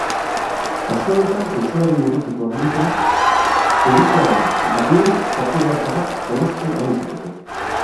Kasu honetan kontsolaren urrutiko agintea peluxearen barnean sartu beharko da jolastu ahal izateko.